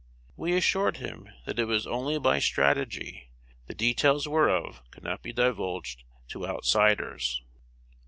We assured him that it was only by "strategy," the details whereof could not be divulged to outsiders.